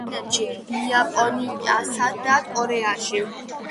გვხვდება ჩინეთში, იაპონიასა და კორეაში.